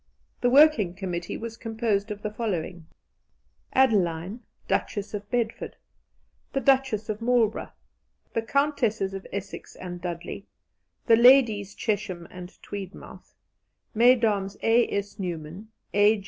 The working committee was composed of the following: Adeline, Duchess of Bedford, the Duchess of Marlborough, the Countesses of Essex and Dudley, the Ladies Chesham and Tweedmouth, Mesdames S. Neumann, A.